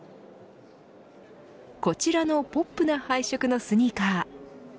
こちらのポップな配色のスニーカー。